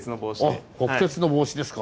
あ国鉄の帽子ですか。